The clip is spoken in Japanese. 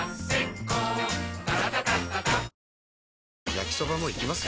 焼きソバもいきます？